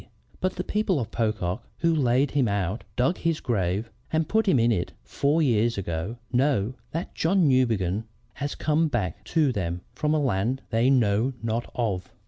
But the people of Pocock, who laid him out, dug his grave, and put him into it four years ago, know that John Newbegin has come back to them from a land they know not of."